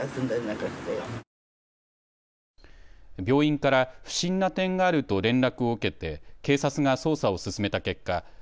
病院から不審な点があると連絡を受けて警察が捜査を進めた結果